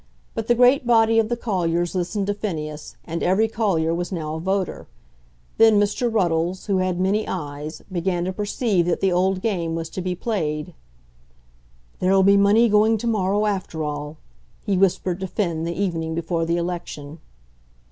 But the great body of the colliers listened to Phineas, and every collier was now a voter. Then Mr. Ruddles, who had many eyes, began to perceive that the old game was to be played. "There'll be money going to morrow after all," he whispered to Finn the evening before the election.